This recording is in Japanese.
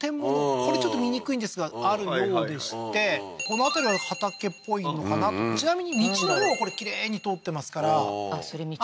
これちょっと見にくいんですがあるようでしてこの辺りは畑っぽいのかなとちなみに道のほうはこれきれいに通ってますからあっそれ道なんですね